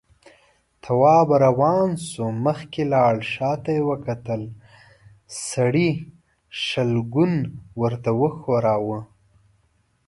تواب روان شو، مخکې لاړ، شاته يې وکتل، سړي شلګون ورته وښوراوه.